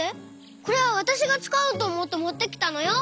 これはわたしがつかおうとおもってもってきたのよ！